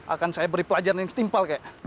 akan saya beri pelajaran yang setimpal kayak